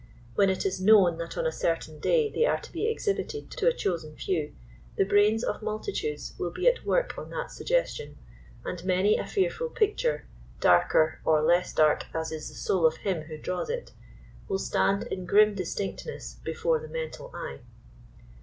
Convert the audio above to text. When it is known that on a certain day they are to be exhibited to a chosen few, the brains of multitudes will be at work on that suggestion, and many a fearful picture, darker or less dark as is the soul of him who draws it, will stand in grim distinctness before the mental eye.